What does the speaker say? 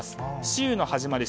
週の始まり